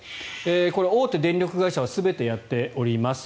これは大手電力会社は全てやっております。